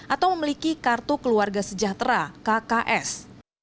atau memiliki kartu keluarga sejahtera kks